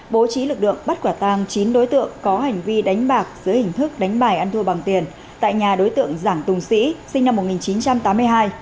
bố trí lực lượng bắt quả tang chín đối tượng có hành vi đánh bạc dưới hình thức đánh bài ăn thua bằng tiền tại nhà đối tượng giảng tùng sĩ sinh năm một nghìn chín trăm tám mươi hai